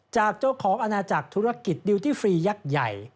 จากเจ้าของอาณาจักรธุรกิจดิวตี้ฟรียักษ์ใหญ่